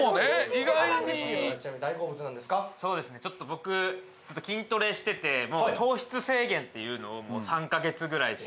僕筋トレしてて糖質制限っていうのをもう３カ月ぐらいしてるので。